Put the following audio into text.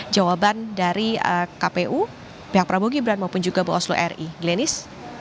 jawaban dari kpu pihak prabowo gibran maupun juga bawaslu ri glenis